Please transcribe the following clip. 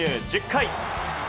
１０回。